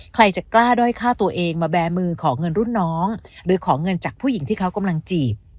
ใครจะกล้าด้อยฆ่าตัวเองมาแบร์มือขอเงินรุ่นน้องหรือขอเงินจากผู้หญิงที่เขากำลังจีบ